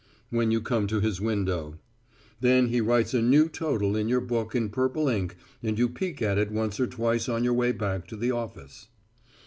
when you come to his window. Then he writes a new total in your book in purple ink and you peek at it once or twice on your way back to the office.